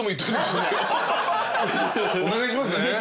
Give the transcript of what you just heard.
お願いしますね。